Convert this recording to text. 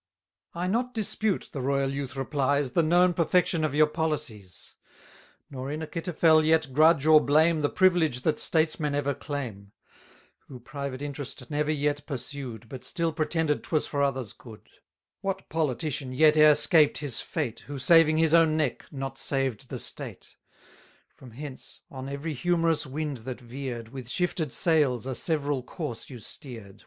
I not dispute, the royal youth replies, The known perfection of your policies; Nor in Achitophel yet grudge or blame The privilege that statesmen ever claim; Who private interest never yet pursued, But still pretended 'twas for others good: What politician yet e'er 'scaped his fate, 210 Who, saving his own neck, not saved the state? From hence, on every humorous wind that veer'd, With shifted sails a several course you steer'd.